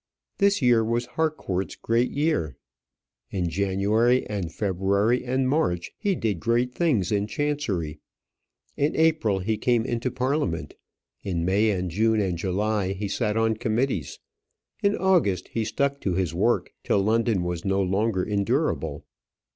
This year was Harcourt's great year. In January and February and March he did great things in Chancery. In April he came into Parliament. In May and June and July, he sat on committees. In August he stuck to his work till London was no longer endurable.